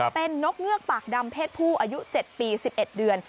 เป็นนกเงือกปากดำเพศผู้อายุ๗ปี๑๑เดือน